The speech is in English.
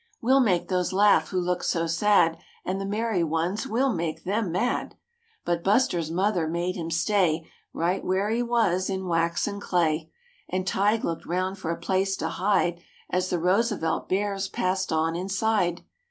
We'll make those laugh who look so sad And the merry ones we'll make them mad." But Buster's mother made him stay Right where he was in wax and clay; And Tige looked round for a place to hide As the Roosevelt Bears passed on inside.